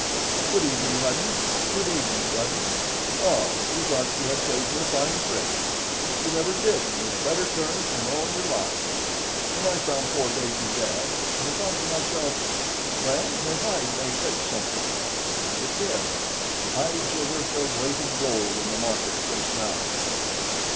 "Good evening, Hudden; good evening, Dudden. Ah! you thought you had played me a fine trick, but you never did me a better turn in all your lives. When I found poor Daisy dead, I thought to myself: 'Well, her hide may fetch something'; and it did. Hides are worth their weight in gold in the market just now."